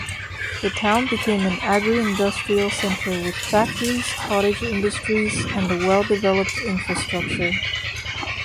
The town became an agri-industrial centre with factories, cottage industries and a well-developed infrastructure.